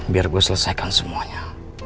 biar gue selesaikan semuanya